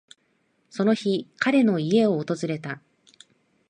その日、彼の家を訪れた。